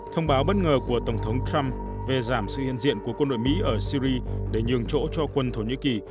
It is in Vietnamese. thông báo bất ngờ của tổng thống trump về giảm sự hiện diện của quân đội mỹ ở syri để nhường chỗ cho quân thổ nhĩ kỳ